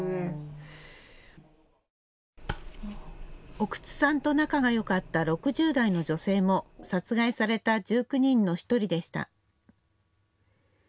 奥津さんと仲がよかった６０代の女性も殺害された１９人の１人でした。